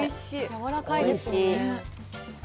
やわらかいですもんね。